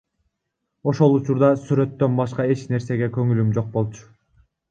Ошол учурда сүрөттөн башка эч нерсеге көңүлүм жок болчу.